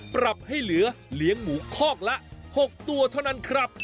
ปรับให้เหลือเลี้ยงหมูคอกละ๖ตัวเท่านั้นครับ